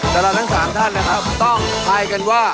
แต่เราทั้ง๓ท่านนะครับต้องทายกันว่า